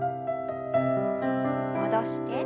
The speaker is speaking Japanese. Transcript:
戻して。